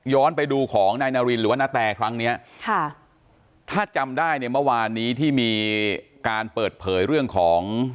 ไปดูของนายนารินหรือว่านาแตครั้งเนี้ยค่ะถ้าจำได้เนี่ยเมื่อวานนี้ที่มีการเปิดเผยเรื่องของ